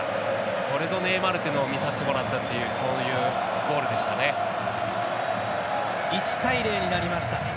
これぞネイマールというのを見させてもらったという１対０になりました。